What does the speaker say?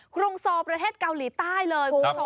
โครงสอประเทศเกาหลีท่าเลย